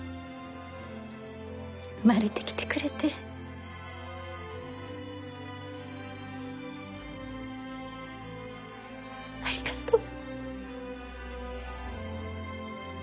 生まれてきてくれてありがとう。